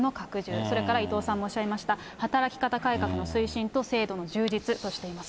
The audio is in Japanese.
それから伊藤さんもおっしゃいました、働き方改革の推進と制度の充実としています。